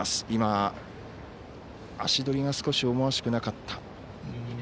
今、足取りが少し思わしくなかった。